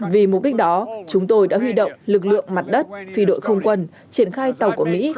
vì mục đích đó chúng tôi đã huy động lực lượng mặt đất phi đội không quân triển khai tàu của mỹ